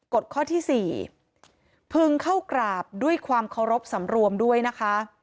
ข้อที่๔พึงเข้ากราบด้วยความเคารพสำรวมด้วยนะคะ